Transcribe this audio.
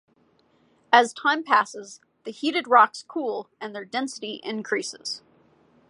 As time passes, the heated rocks cool and their density increases.